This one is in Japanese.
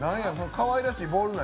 かわいらしいボール何？